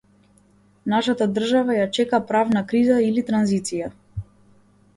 Нашата држава ја чека правна криза или транзиција.